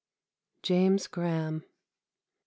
James Grahame.